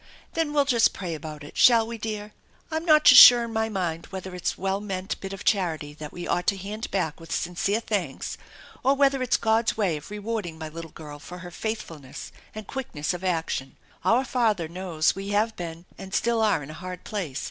Then we'll just pray about it, shall we, dear ? I'm not just sure in my mind whether it's a well meant bit of charity that we ought to hand back with sincere thanks, or whether it's God's way of rewarding my little girl for her faithfulness and quickness of action. Our Father knows we have been and still are in a hard place.